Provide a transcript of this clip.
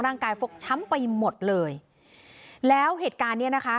ร่างกายฟกช้ำไปหมดเลยแล้วเหตุการณ์นี้นะคะ